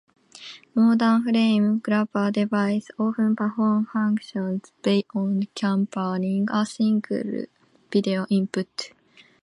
Modern frame grabber devices often perform functions beyond capturing a single video input.